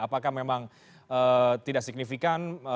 apakah memang tidak signifikan